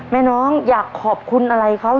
แม่น้องอยากขอบคุณอะไรเขา